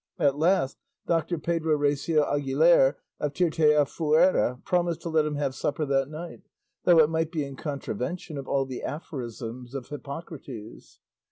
At last Doctor Pedro Recio Agilers of Tirteafuera promised to let him have supper that night though it might be in contravention of all the aphorisms of Hippocrates.